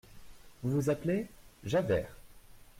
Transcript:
Vous vous appelez ? Javert.